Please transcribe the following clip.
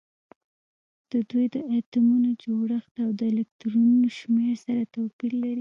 د دوی د اتومونو جوړښت او د الکترونونو شمیر سره توپیر لري